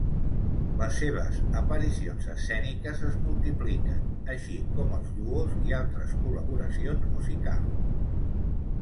Les seves aparicions escèniques es multipliquen, així com els duos i altres col·laboracions musicals.